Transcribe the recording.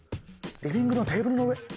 リビングのテーブルの上？